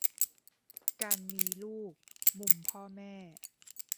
- การมีลูก มุมพ่อแม่